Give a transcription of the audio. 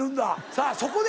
さあそこで！